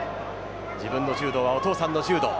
自分の柔道はお父さんの柔道。